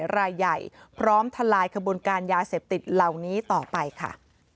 เครือข่ายรายใหญ่พร้อมทลายกระบวนการยาเสพติดเหล่านี้ต่อไปค่ะ